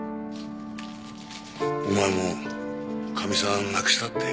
お前もかみさん亡くしたって？